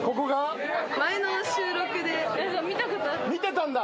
見てたんだ。